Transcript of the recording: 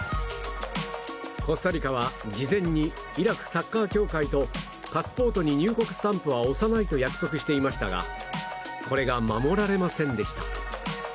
コスタリカは事前にイラクサッカー協会とパスポートに入国スタンプは押さないと約束していましたがこれが守られませんでした。